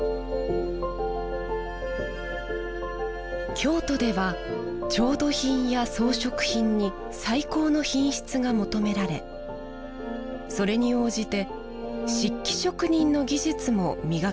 京都では調度品や装飾品に最高の品質が求められそれに応じて漆器職人の技術も磨かれていきました。